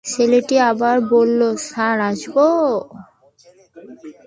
ছেলেটি আবার বলল, স্যার, আসব?